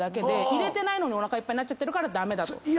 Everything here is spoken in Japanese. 入れてないのにおなかいっぱいになっちゃってるから駄目だと。